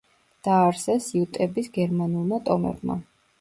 დააარსეს იუტების გერმანულმა ტომებმა.